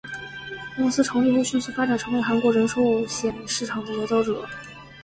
公司成立后迅速发展成为韩国人寿险市场的佼佼者。